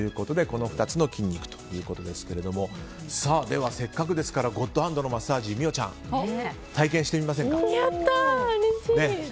この２つの筋肉ということですがでは、せっかくですからゴッドハンドのマッサージ美桜ちゃん体験してみませんか？